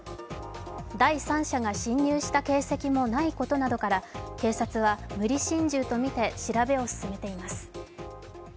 第三者が侵入した形跡もないことから、警察は無理心中とみて調べを進めています。